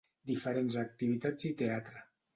Diferents activitats i teatre.